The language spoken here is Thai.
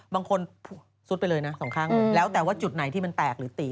บางคนซุดไปเลยนะสองครั้งแล้วแต่ว่าจุดไหนที่มันแตกหรือตี